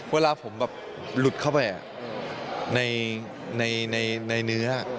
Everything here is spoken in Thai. เวลาผมแบบหลุดเข้าไปในเนื้อ